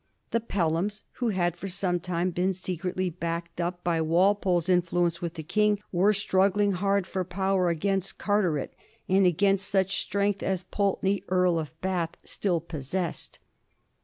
The Pelhams, who had for some time been secretly backed up by Walpole's influence with the King, were struggling hard for power against Carteret, and against such strength as Pulteney, Earl of Bath, still possessed.